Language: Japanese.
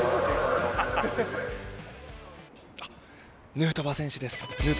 ヌートバー選手です。